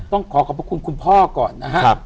ต้องขอขอบพระคุณคุณพ่อก่อนนะครับ